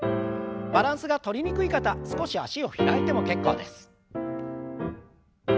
バランスがとりにくい方少し脚を開いても結構です。